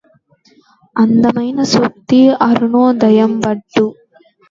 అందమైన సూక్తి అరుణోదయంబట్లు